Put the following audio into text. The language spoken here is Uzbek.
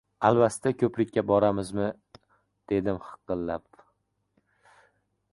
Alvasti ko‘prikka boramizmi?- dedim hiqillab.